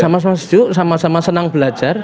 sama sama sejuk sama sama senang belajar